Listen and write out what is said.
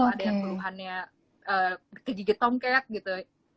ada yang keluhannya kegigit tongket gitu